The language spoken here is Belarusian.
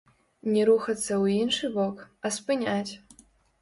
Не рухацца ў іншы бок, а спыняць.